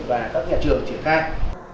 và các nhà trường triển khai